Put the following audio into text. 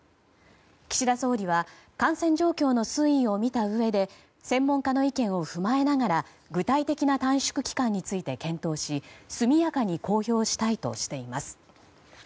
岸田総理は感染状況の推移を見たうえで専門家の意見を踏まえながら具体的な短縮期間について検討し、速やかに公表したいとしています。